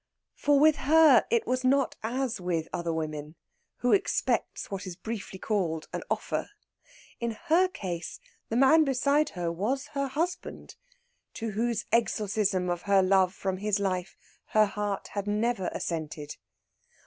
For with her it was not as with another woman, who expects what is briefly called "an offer." In her case, the man beside her was her husband, to whose exorcism of her love from his life her heart had never assented.